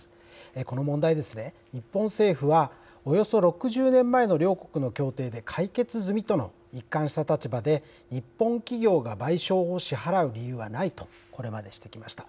この問題ですね、日本政府はおよそ６０年前の両国の協定で解決済みとの一貫した立場で、日本企業が賠償を支払う理由はないとこれまでしてきました。